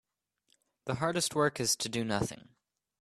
The hardest work is to do nothing.